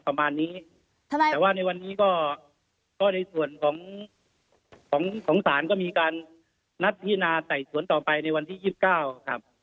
ประมาณนี้แต่ว่าในวันนี้ก็ในส่วนของของศาลก็มีการนัดพิจารณาไต่สวนต่อไปในวันที่๒๙ครับ